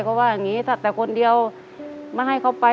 เขาว่าอย่างนี้ถ้าแต่คนเดียวไม่ให้เขาไป